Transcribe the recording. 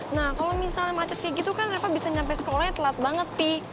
nah kalau misalnya macet kayak gitu kan mereka bisa nyampe sekolahnya telat banget sih